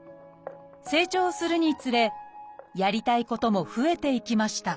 成長するにつれやりたいことも増えていきました